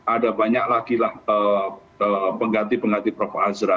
ada banyak lagi lah pengganti pengganti prof azra